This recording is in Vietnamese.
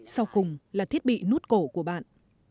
sau cùng là thiết bị nút cổ của bạn